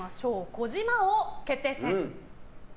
児嶋王決定戦。